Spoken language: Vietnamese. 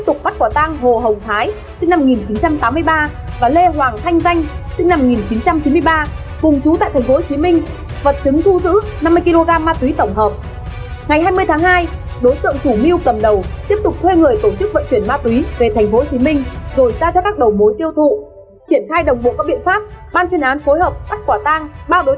trần quốc khánh sinh năm một nghìn chín trăm chín mươi ba cả hai đều trú tại tp hcm thu giữ một mươi chín năm kg ma túy tổng hợp các loại